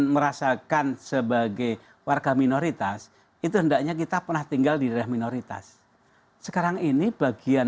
melihat hadiah dari